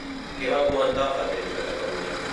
Què va comentar fa temps de Catalunya?